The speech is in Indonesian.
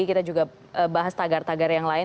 kita juga bahas tagar tagar yang lain